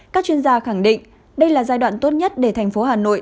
các chuyên gia khẳng định đây là giai đoạn tốt nhất để thành phố hà nội